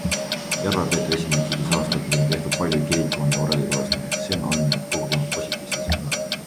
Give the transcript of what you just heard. Järva-Peetri esindaja kiitis aastat, mil on tehtud palju kirikuhoone ja oreli korrastamiseks, see on andnud kogukonnale positiivse signaali.